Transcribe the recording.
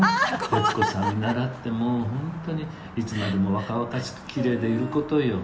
徹子さんを見習ってもう本当にいつまでも若々しくキレイでいる事よ」